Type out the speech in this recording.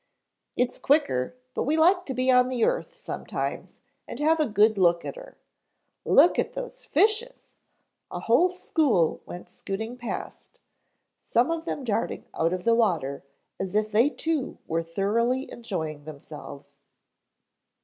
"It's quicker, but we like to be on the earth sometimes and have a good look at her. Look at those fishes!" A whole school went scooting past, some of them darting out of the water as if they too were thoroughly enjoying themselves.